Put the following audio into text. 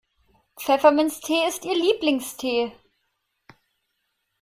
Pfefferminztee ist ihr Lieblingstee.